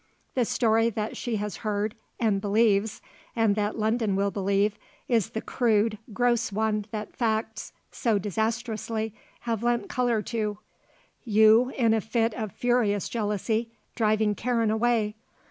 The story that she has heard and believes and that London will believe is the crude, gross one that facts, so disastrously, have lent colour to; you, in a fit of furious jealousy, driving Karen away.